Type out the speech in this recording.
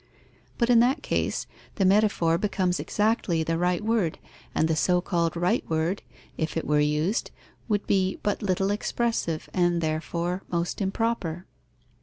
But in that case the metaphor becomes exactly the right word, and the so called right word, if it were used, would be but little expressive and therefore most improper.